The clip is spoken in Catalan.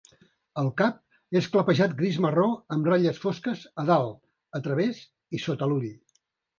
El cap és clapejat gris-marró amb ratlles fosques a dalt, a través i sota l'ull.